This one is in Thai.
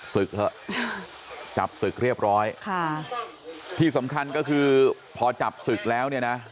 ศึกเถอะจับศึกเรียบร้อยค่ะที่สำคัญก็คือพอจับศึกแล้วเนี่ยนะ